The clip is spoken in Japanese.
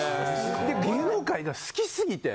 芸能界が好きすぎて。